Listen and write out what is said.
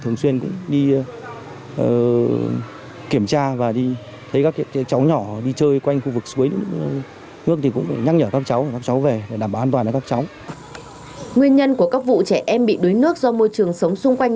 nguyên nhân của các vụ trẻ em bị đuối nước do môi trường sống xung quanh